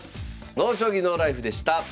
「ＮＯ将棋ＮＯＬＩＦＥ」でした。